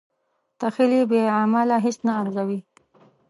تخیل بې عمله هیڅ نه ارزوي.